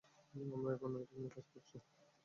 আমরা এখন এটা নিয়েই কাজ করছি!